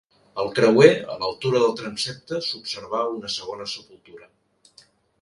Al creuer, a l'altura del transsepte s'observà una segona sepultura.